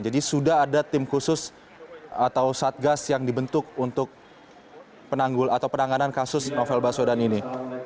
jadi sudah ada tim khusus atau satgas yang dibentuk untuk penanggul atau penanganan kasus novel baswedan ini